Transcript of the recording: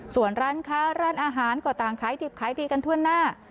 ส่วนร้านค้าร้านอาหารก็ต่างขายดิบขายดีกันทั่วหน้า